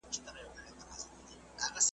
چي سیالان یې له هیبته پر سجده سي .